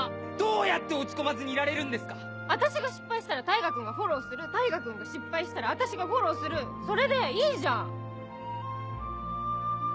どうやって落ち込まずにいられるんで私が失敗したら大牙君がフォローする大牙君が失敗したら私がフォローするそれでいいじゃん！